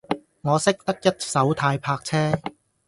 我識得一手軚泊車